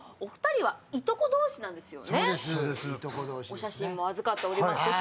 お写真も預かっております。